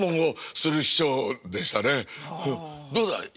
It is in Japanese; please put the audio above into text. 「どうだい？